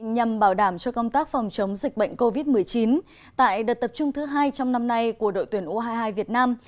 nhằm bảo đảm cho công tác phòng chống dịch bệnh covid một mươi chín tại đợt tập trung thứ hai trong năm nay của đội tuyển u hai mươi hai việt nam